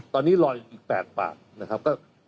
ตอนนี้รออีก๘ปากนะครับ